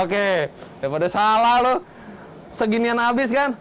oke daripada salah lo seginian abis kan